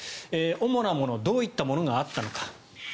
主なものどういったものがあったのか。